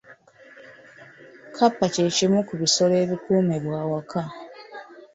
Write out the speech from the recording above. Kkapa ky’ekimu ku bisolo ebikuumibwa awaka.